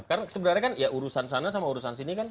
karena sebenarnya kan ya urusan sana sama urusan sini kan